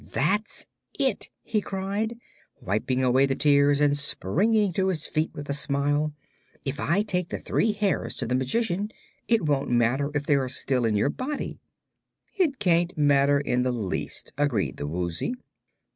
"That's it!" he cried, wiping away the tears and springing to his feet with a smile. "If I take the three hairs to the Magician, it won't matter if they are still in your body." "It can't matter in the least," agreed the Woozy.